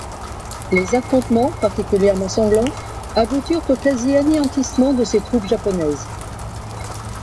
Les affrontements, particulièrement sanglants, aboutirent au quasi-anéantissement de ces troupes japonaises.